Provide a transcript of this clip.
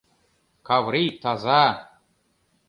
Каврий таза.